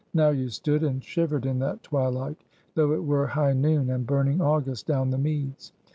Now you stood and shivered in that twilight, though it were high noon and burning August down the meads.